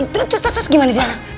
terus terus gimana dia